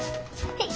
はい。